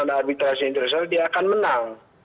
ada arbitrasi internasional dia akan menang